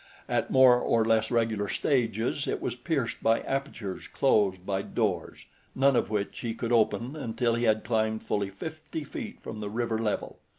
At more or less regular stages it was pierced by apertures closed by doors, none of which he could open until he had climbed fully fifty feet from the river level.